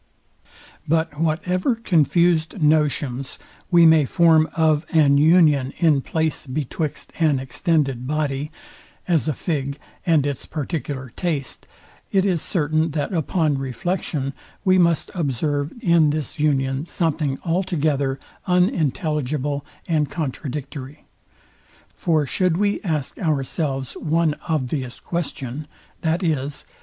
But whatever confused notions we may form of an union in place betwixt an extended body, as a fig, and its particular taste, it is certain that upon reflection we must observe this union something altogether unintelligible and contradictory. For should we ask ourselves one obvious question, viz.